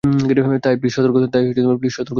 তাই প্লিজ সতর্ক থেকো।